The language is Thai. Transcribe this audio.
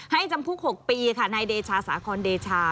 จำคุก๖ปีค่ะนายเดชาสาคอนเดชา